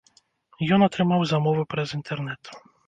Ён атрымаў замову праз інтэрнэт.